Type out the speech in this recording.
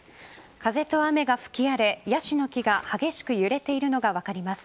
風と雨が吹き荒れヤシの木が激しく揺れているのが分かります。